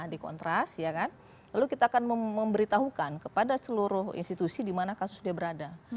di kontras lalu kita akan memberitahukan kepada seluruh institusi di mana kasus dia berada